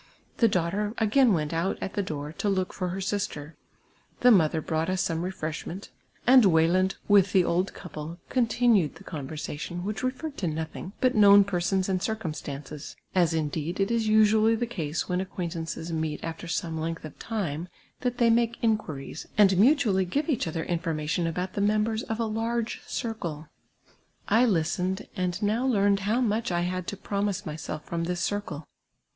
The daughter again went out at the door to look for her sister ; the mother brought us some refreshment, and Weyland, with the old couple, con tinued the conversation, which refen'ed to nothing but known persons and circumstances ; as, indeed, it is usually the easo when ac(piaintances meet after some length of time, that they make in([uiries, and mutually give each other information about the nuinbers of a large circle. I listened, and now learned how nmch I had to promise myself from this circle.